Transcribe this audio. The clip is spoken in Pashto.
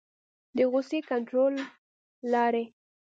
د غصې کنټرول لارې